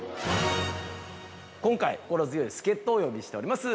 ◆今回、心強い助っ人をお呼びしております。